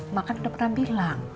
mak kan udah pernah bilang